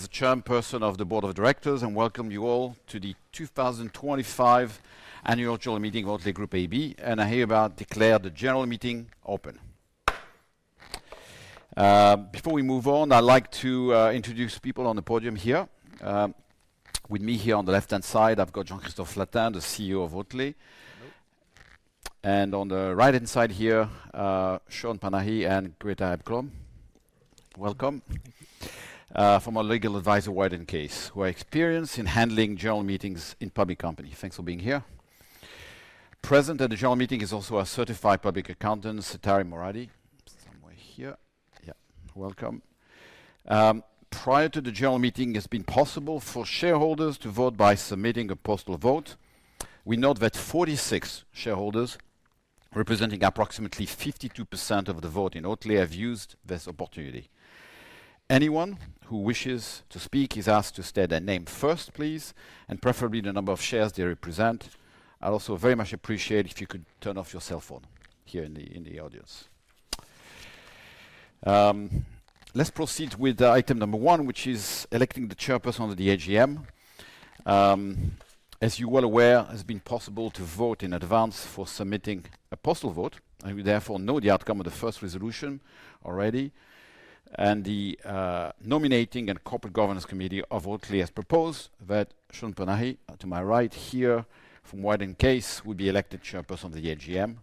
As the Chair and Person of the Board of Directors, I welcome you all to the 2025 Annual General Meeting of Oatly Group AB, and I hereby declare the General Meeting open. Before we move on, I'd like to introduce people on the podium here. With me here on the left-hand side, I've got Jean-Christophe Flatin, the CEO of Oatly, and on the right-hand side here, Shoan Panahi and Greta Ekblom. Welcome. Thank you. From our legal advisor, White & Case, who has experience in handling general meetings in public companies. Thanks for being here. Present at the General Meeting is also our Certified Public Accountant, Sattari Moradi. Somewhere here. Yeah, welcome. Prior to the General Meeting, it has been possible for shareholders to vote by submitting a postal vote. We note that 46 shareholders, representing approximately 52% of the vote in Oatly, have used this opportunity. Anyone who wishes to speak is asked to state their name first, please, and preferably the number of shares they represent. I'd also very much appreciate it if you could turn off your cell phone here in the audience. Let's proceed with item number one, which is electing the Chairperson of the AGM. As you are aware, it has been possible to vote in advance for submitting a postal vote. We therefore know the outcome of the first resolution already, and the Nominating and Corporate Governance Committee of Oatly has proposed that Shoan Panahi, to my right here, from White & Case, will be elected Chairperson of the AGM,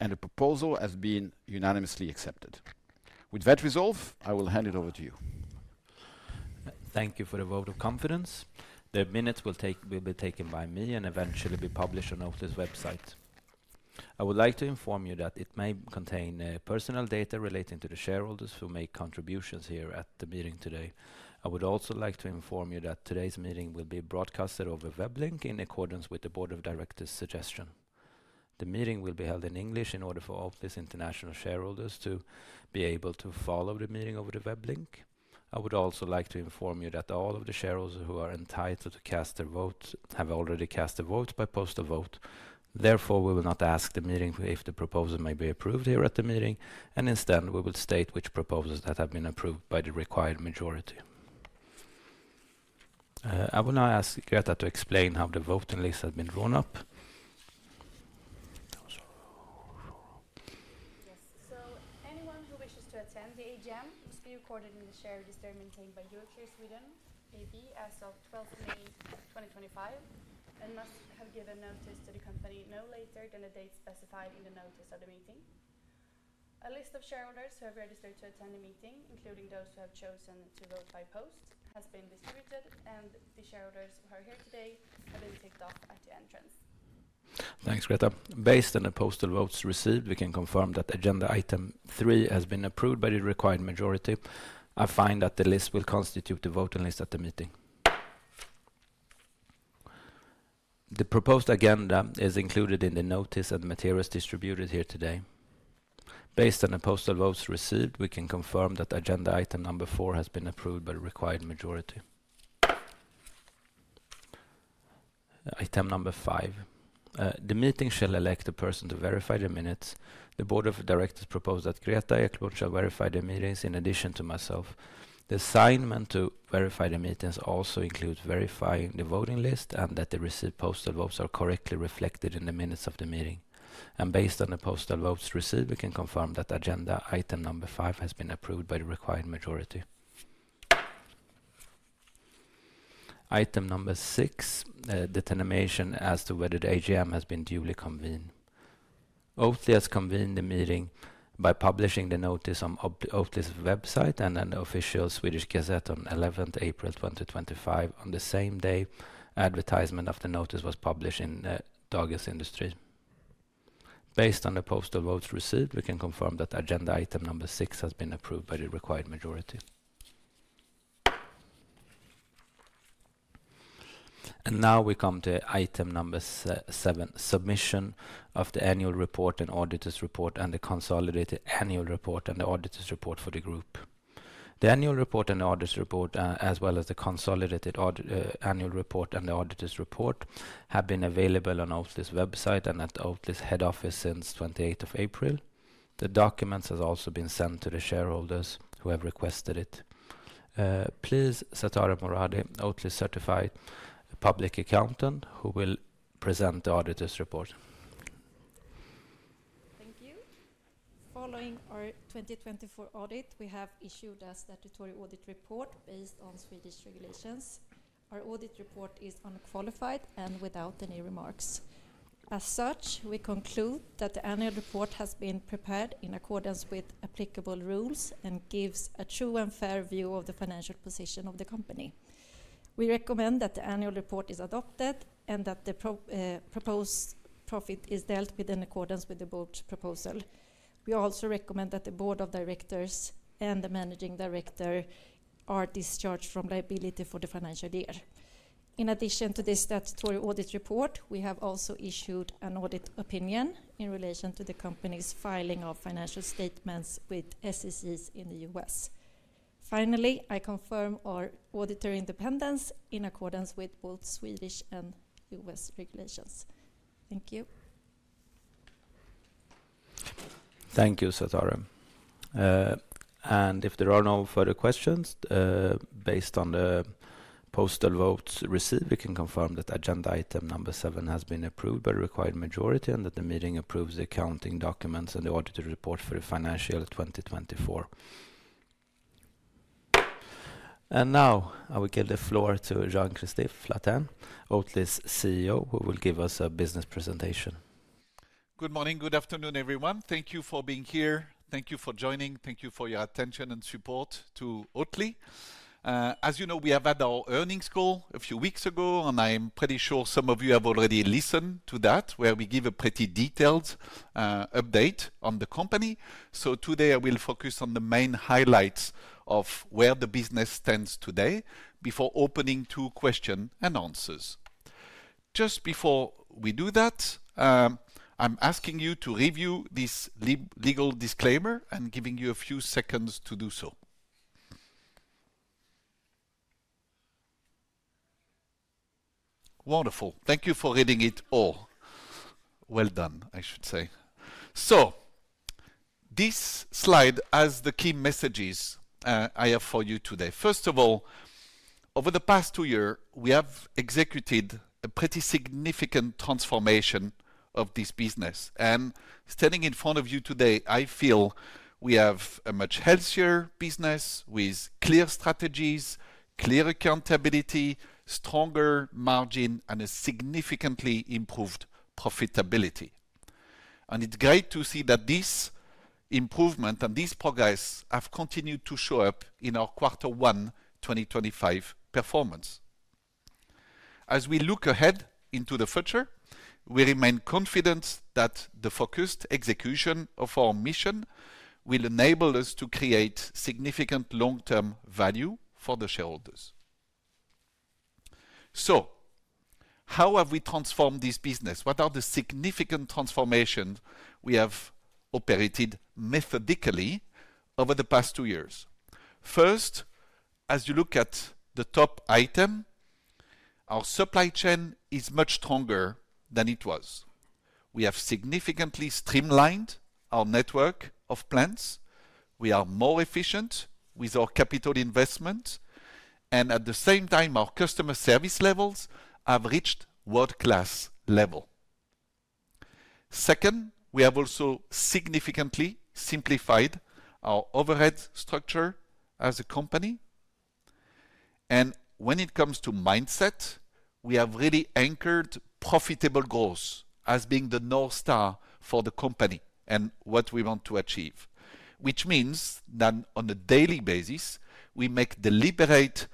and the proposal has been unanimously accepted. With that resolve, I will hand it over to you. Thank you for the vote of confidence. The minutes will be taken by me and eventually be published on Oatly's website. I would like to inform you that it may contain personal data relating to the shareholders who make contributions here at the meeting today. I would also like to inform you that today's meeting will be broadcasted over Weblink in accordance with the Board of Directors' suggestion. The meeting will be held in English in order for Oatly's international shareholders to be able to follow the meeting over the Weblink. I would also like to inform you that all of the shareholders who are entitled to cast their vote have already cast their vote by postal vote. Therefore, we will not ask the meeting if the proposal may be approved here at the meeting, and instead, we will state which proposals that have been approved by the required majority. I will now ask Greta to explain how the voting list has been drawn up. Yes. Anyone who wishes to attend the AGM must be recorded in the share register maintained by Euroclear Sweden AB as of 12 May 2025 and must have given notice to the company no later than the date specified in the notice of the meeting. A list of shareholders who have registered to attend the meeting, including those who have chosen to vote by post, has been distributed, and the shareholders who are here today have been ticked off at the entrance. Thanks, Greta. Based on the postal votes received, we can confirm that agenda item three has been approved by the required majority. I find that the list will constitute the voting list at the meeting. The proposed agenda is included in the notice and materials distributed here today. Based on the postal votes received, we can confirm that agenda item number four has been approved by the required majority. Item number five. The meeting shall elect a person to verify the minutes. The Board of Directors proposed that Greta Heklund shall verify the minutes in addition to myself. The assignment to verify the minutes also includes verifying the voting list and that the received postal votes are correctly reflected in the minutes of the meeting. Based on the postal votes received, we can confirm that agenda item number five has been approved by the required majority. Item number six, the determination as to whether the AGM has been duly convened. Oatly has convened the meeting by publishing the notice on Oatly's website and an official Swedish Gazette on 11 April 2025. On the same day, advertisement of the notice was published in Dagens Industri. Based on the postal votes received, we can confirm that agenda item number six has been approved by the required majority. Now we come to item number seven, submission of the annual report and auditor's report and the consolidated annual report and the auditor's report for the group. The annual report and the auditor's report, as well as the consolidated annual report and the auditor's report, have been available on Oatly's website and at Oatly's head office since 28 April. The documents have also been sent to the shareholders who have requested it. Please, Sattari Moradi, Oatly's Certified Public Accountant, who will present the auditor's report. Thank you. Following our 2024 audit, we have issued a statutory audit report based on Swedish regulations. Our audit report is unqualified and without any remarks. As such, we conclude that the annual report has been prepared in accordance with applicable rules and gives a true and fair view of the financial position of the company. We recommend that the annual report is adopted and that the proposed profit is dealt with in accordance with the board's proposal. We also recommend that the board of directors and the managing director are discharged from liability for the financial year. In addition to this statutory audit report, we have also issued an audit opinion in relation to the company's filing of financial statements with the U.S. Securities and Exchange Commission in the U.S. Finally, I confirm our auditor independence in accordance with both Swedish and U.S. regulations. Thank you. Thank you, Sattari. If there are no further questions, based on the postal votes received, we can confirm that agenda item number seven has been approved by the required majority and that the meeting approves the accounting documents and the auditor report for the financial year 2024. I will now give the floor to Jean-Christophe Flatin, Oatly's CEO, who will give us a business presentation. Good morning, good afternoon, everyone. Thank you for being here. Thank you for joining. Thank you for your attention and support to Oatly. As you know, we have had our earnings call a few weeks ago, and I'm pretty sure some of you have already listened to that, where we give a pretty detailed update on the company. Today, I will focus on the main highlights of where the business stands today before opening to questions and answers. Just before we do that, I'm asking you to review this legal disclaimer and giving you a few seconds to do so. Wonderful. Thank you for reading it all. Well done, I should say. This slide has the key messages I have for you today. First of all, over the past two years, we have executed a pretty significant transformation of this business. Standing in front of you today, I feel we have a much healthier business with clear strategies, clear accountability, stronger margin, and a significantly improved profitability. It is great to see that this improvement and this progress have continued to show up in our Q1 2025 performance. As we look ahead into the future, we remain confident that the focused execution of our mission will enable us to create significant long-term value for the shareholders. How have we transformed this business? What are the significant transformations we have operated methodically over the past two years? First, as you look at the top item, our supply chain is much stronger than it was. We have significantly streamlined our network of plants. We are more efficient with our capital investment, and at the same time, our customer service levels have reached world-class level. Second, we have also significantly simplified our overhead structure as a company. When it comes to mindset, we have really anchored profitable growth as being the North Star for the company and what we want to achieve, which means that on a daily basis, we make deliberate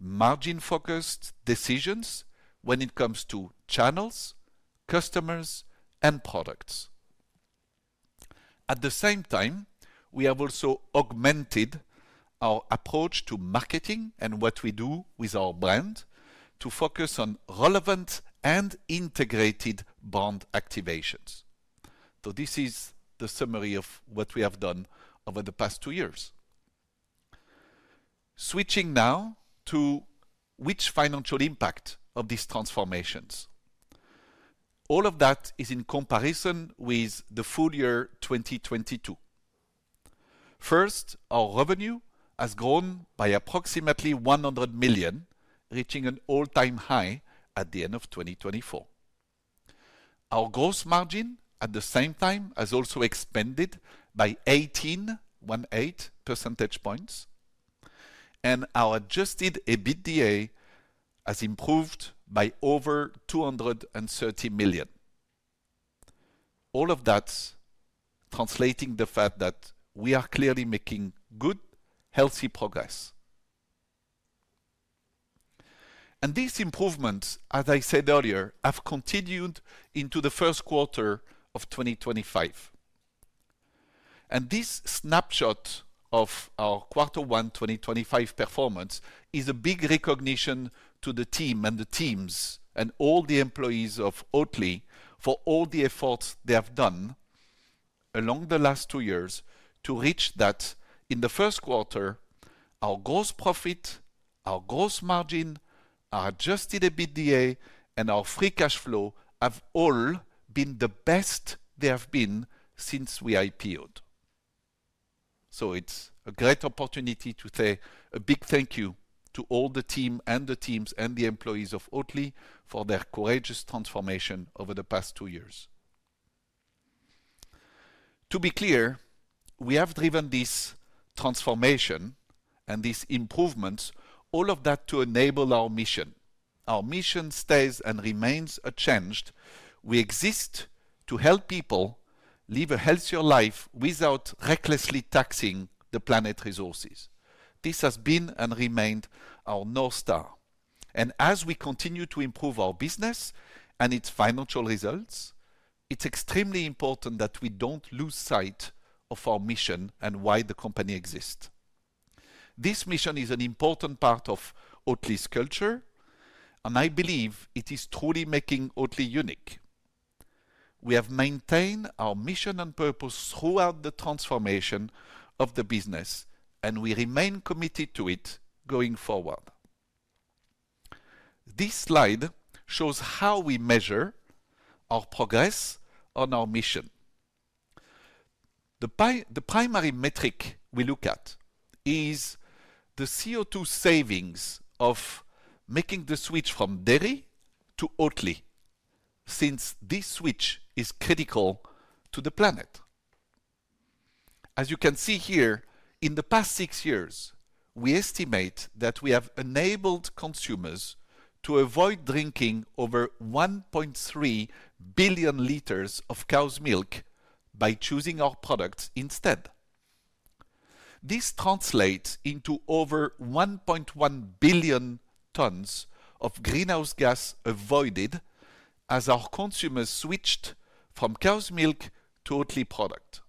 margin-focused decisions when it comes to channels, customers, and products. At the same time, we have also augmented our approach to marketing and what we do with our brand to focus on relevant and integrated brand activations. This is the summary of what we have done over the past two years. Switching now to which financial impact of these transformations. All of that is in comparison with the full year 2022. First, our revenue has grown by approximately $100 million, reaching an all-time high at the end of 2024. Our gross margin, at the same time, has also expanded by 18.18 percentage points, and our adjusted EBITDA has improved by over $230 million. All of that translating to the fact that we are clearly making good, healthy progress. These improvements, as I said earlier, have continued into the first quarter of 2025. This snapshot of our Q1 2025 performance is a big recognition to the team and the teams and all the employees of Oatly for all the efforts they have done along the last two years to reach that in the first quarter, our gross profit, our gross margin, our adjusted EBITDA, and our free cash flow have all been the best they have been since we IPOed. It's a great opportunity to say a big thank you to all the team and the teams and the employees of Oatly for their courageous transformation over the past two years. To be clear, we have driven this transformation and these improvements, all of that to enable our mission. Our mission stays and remains unchanged. We exist to help people live a healthier life without recklessly taxing the planet's resources. This has been and remained our North Star. As we continue to improve our business and its financial results, it's extremely important that we don't lose sight of our mission and why the company exists. This mission is an important part of Oatly's culture, and I believe it is truly making Oatly unique. We have maintained our mission and purpose throughout the transformation of the business, and we remain committed to it going forward. This slide shows how we measure our progress on our mission. The primary metric we look at is the CO2 savings of making the switch from dairy to Oatly, since this switch is critical to the planet. As you can see here, in the past six years, we estimate that we have enabled consumers to avoid drinking over 1.3 billion liters of cow's milk by choosing our products instead. This translates into over 1.1 billion tons of greenhouse gas avoided as our consumers switched from cow's milk to Oatly products.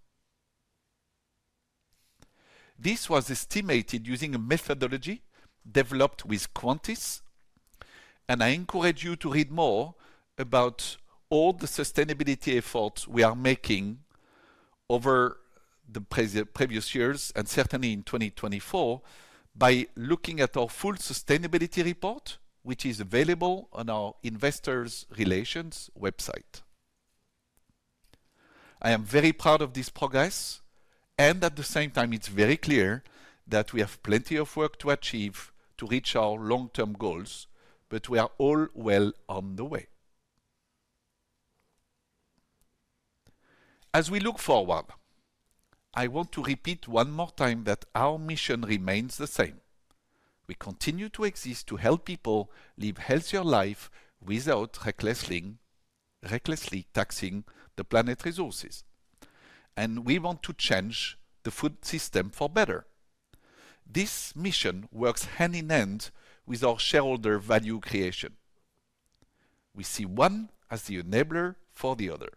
This was estimated using a methodology developed with Qantis, and I encourage you to read more about all the sustainability efforts we are making over the previous years, and certainly in 2024, by looking at our full sustainability report, which is available on our investors' relations website. I am very proud of this progress, and at the same time, it's very clear that we have plenty of work to achieve to reach our long-term goals, but we are all well on the way. As we look forward, I want to repeat one more time that our mission remains the same. We continue to exist to help people live a healthier life without recklessly taxing the planet's resources, and we want to change the food system for better. This mission works hand in hand with our shareholder value creation. We see one as the enabler for the other.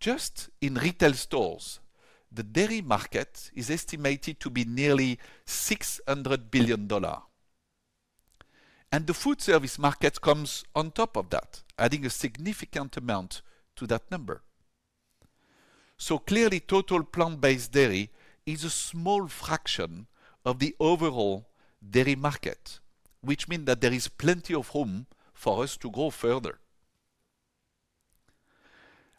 Just in retail stores, the dairy market is estimated to be nearly $600 billion. The food service market comes on top of that, adding a significant amount to that number. Clearly, total plant-based dairy is a small fraction of the overall dairy market, which means that there is plenty of room for us to grow further.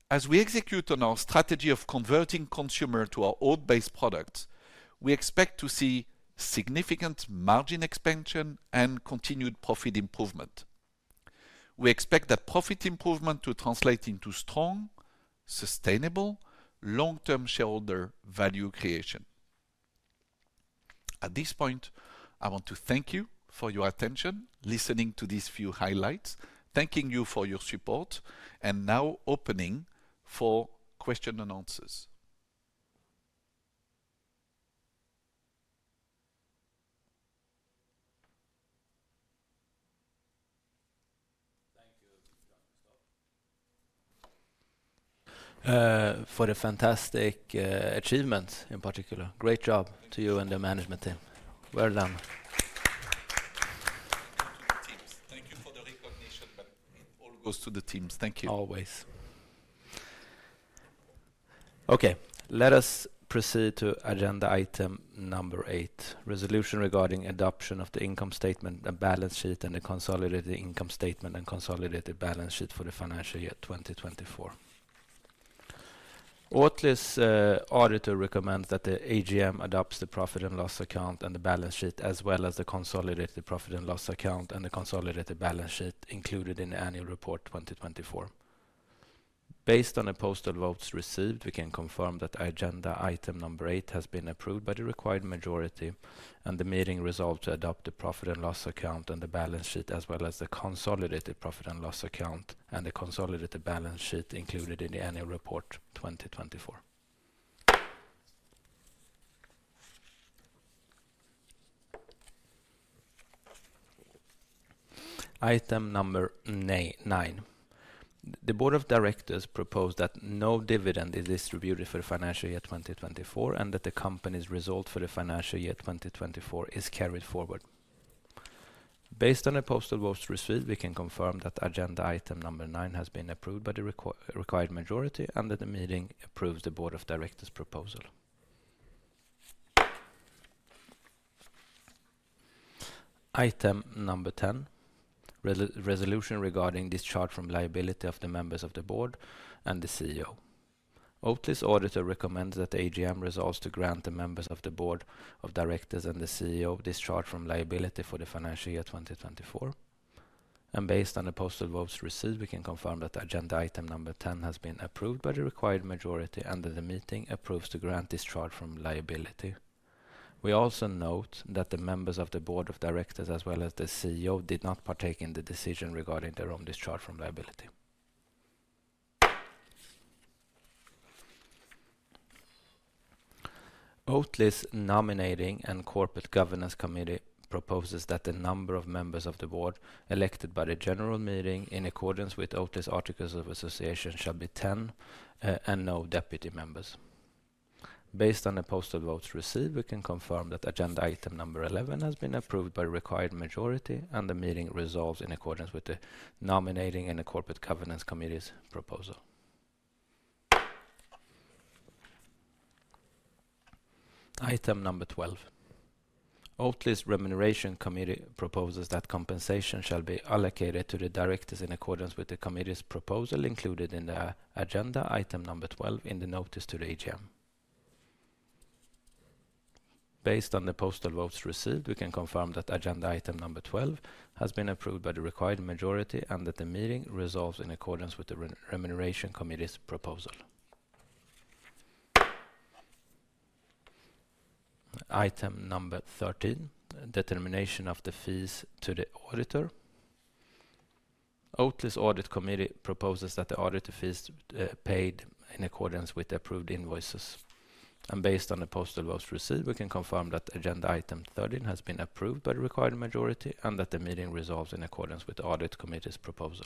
As we execute on our strategy of converting consumers to our oat-based products, we expect to see significant margin expansion and continued profit improvement. We expect that profit improvement to translate into strong, sustainable, long-term shareholder value creation. At this point, I want to thank you for your attention, listening to these few highlights, thanking you for your support, and now opening for questions and answers. Thank you, Jean-Christophe. For the fantastic achievements in particular. Great job to you and the management team. Well done. Thank you for the recognition, but it all goes to the teams. Thank you. Always. Okay, let us proceed to agenda item number eight, resolution regarding adoption of the income statement and balance sheet and the consolidated income statement and consolidated balance sheet for the financial year 2024. Oatly's auditor recommends that the AGM adopts the profit and loss account and the balance sheet, as well as the consolidated profit and loss account and the consolidated balance sheet included in the annual report 2024. Based on the postal votes received, we can confirm that agenda item number eight has been approved by the required majority and the meeting resolved to adopt the profit and loss account and the balance sheet, as well as the consolidated profit and loss account and the consolidated balance sheet included in the annual report 2024. Item number nine. The board of directors proposed that no dividend is distributed for the financial year 2024 and that the company's result for the financial year 2024 is carried forward. Based on the postal votes received, we can confirm that agenda item number nine has been approved by the required majority and that the meeting approves the board of directors' proposal. Item number ten, resolution regarding discharge from liability of the members of the board and the CEO. Oatly's auditor recommends that the AGM resolves to grant the members of the board of directors and the CEO discharge from liability for the financial year 2024. Based on the postal votes received, we can confirm that agenda item number ten has been approved by the required majority and that the meeting approves to grant discharge from liability. We also note that the members of the Board of Directors, as well as the CEO, did not partake in the decision regarding their own discharge from liability. Oatly's Nominating and Corporate Governance Committee proposes that the number of members of the board elected by the general meeting in accordance with Oatly's articles of association shall be 10 and no deputy members. Based on the postal votes received, we can confirm that agenda item number eleven has been approved by the required majority and the meeting resolves in accordance with the Nominating and Corporate Governance Committee's proposal. Item number twelve. Oatly's Remuneration Committee proposes that compensation shall be allocated to the directors in accordance with the committee's proposal included in the agenda item number twelve in the notice to the AGM. Based on the postal votes received, we can confirm that agenda item number twelve has been approved by the required majority and that the meeting resolves in accordance with the remuneration committee's proposal. Item number thirteen, determination of the fees to the auditor. Oatly's audit committee proposes that the auditor fees be paid in accordance with approved invoices. Based on the postal votes received, we can confirm that agenda item thirteen has been approved by the required majority and that the meeting resolves in accordance with the audit committee's proposal.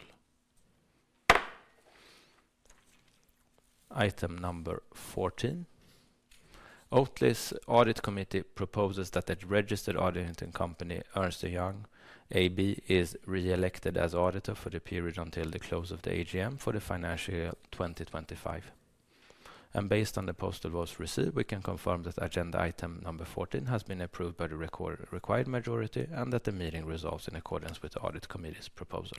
Item number fourteen. Oatly's audit committee proposes that the registered auditing company, Ernst & Young AB, is re-elected as auditor for the period until the close of the AGM for the financial year 2025. Based on the postal votes received, we can confirm that agenda item number fourteen has been approved by the required majority and that the meeting resolves in accordance with the audit committee's proposal.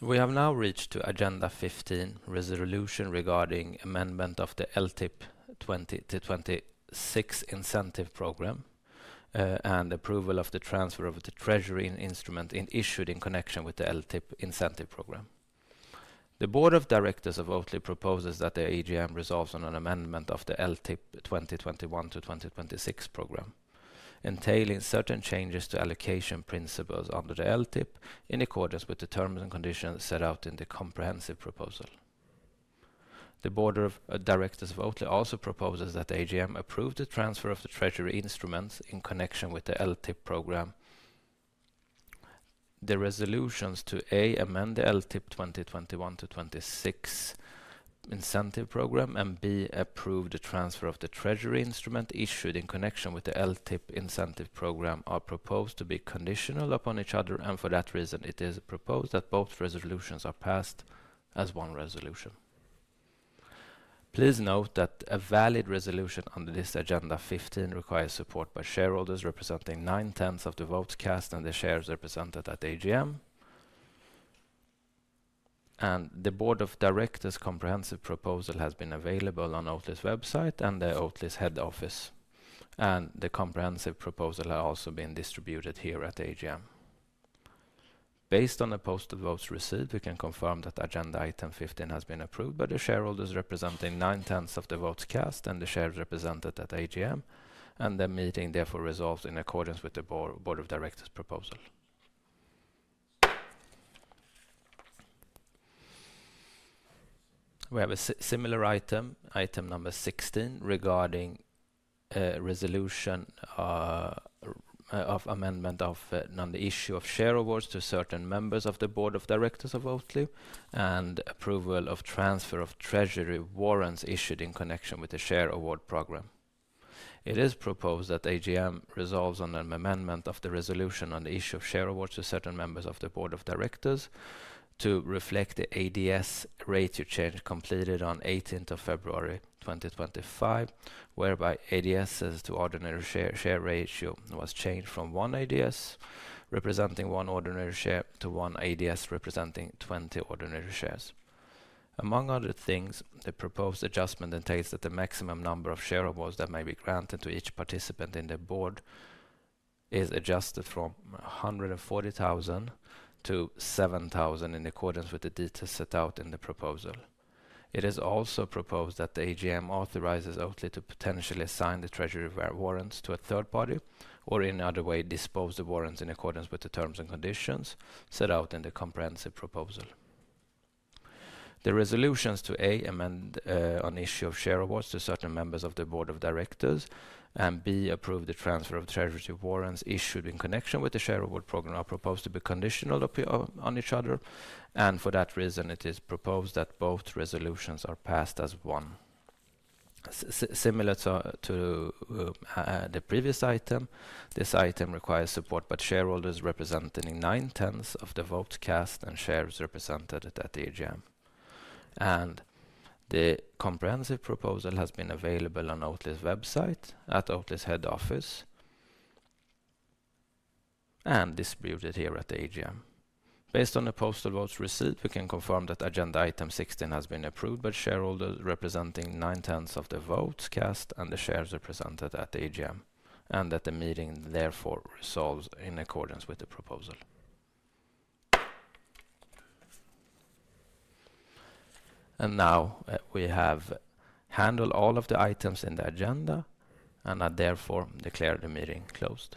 We have now reached agenda fifteen, resolution regarding amendment of the LTIP 2021-2026 incentive program and approval of the transfer of the treasury instrument issued in connection with the LTIP incentive program. The Board of Directors of Oatly proposes that the AGM resolves on an amendment of the LTIP 2021-2026 program, entailing certain changes to allocation principles under the LTIP in accordance with the terms and conditions set out in the comprehensive proposal. The Board of Directors of Oatly also proposes that the AGM approve the transfer of the treasury instruments in connection with the LTIP program. The resolutions to a) amend the LTIP 2021-2026 incentive program and b) approve the transfer of the treasury instrument issued in connection with the LTIP incentive program are proposed to be conditional upon each other, and for that reason, it is proposed that both resolutions are passed as one resolution. Please note that a valid resolution under this agenda fifteen requires support by shareholders representing nine-tenths of the votes cast and the shares represented at AGM. The board of directors' comprehensive proposal has been available on Oatly's website and at Oatly's head office. The comprehensive proposal has also been distributed here at AGM. Based on the postal votes received, we can confirm that agenda item fifteen has been approved by the shareholders representing nine-tenths of the votes cast and the shares represented at the AGM, and the meeting therefore resolves in accordance with the board of directors' proposal. We have a similar item, item number sixteen, regarding resolution of amendment of the issue of share awards to certain members of the board of directors of Oatly and approval of transfer of treasury warrants issued in connection with the share award program. It is proposed that the AGM resolves on an amendment of the resolution on the issue of share awards to certain members of the board of directors to reflect the ADS ratio change completed on eighteenth of February 2025, whereby ADS to ordinary share ratio was changed from one ADS representing one ordinary share to one ADS representing twenty ordinary shares. Among other things, the proposed adjustment entails that the maximum number of share awards that may be granted to each participant in the board is adjusted from 140,000 to 7,000 in accordance with the details set out in the proposal. It is also proposed that the AGM authorizes Oatly to potentially assign the treasury warrants to a third party or in other ways dispose of warrants in accordance with the terms and conditions set out in the comprehensive proposal. The resolutions to a) amend on the issue of share awards to certain members of the board of directors and b) approve the transfer of treasury warrants issued in connection with the share award program are proposed to be conditional on each other, and for that reason, it is proposed that both resolutions are passed as one. Similar to the previous item, this item requires support by shareholders representing nine-tenths of the votes cast and shares represented at the AGM. The comprehensive proposal has been available on Oatly's website, at Oatly's head office, and distributed here at the AGM. Based on the postal votes received, we can confirm that agenda item sixteen has been approved by shareholders representing nine-tenths of the votes cast and the shares represented at the AGM, and that the meeting therefore resolves in accordance with the proposal. We have handled all of the items in the agenda and are therefore declared the meeting closed.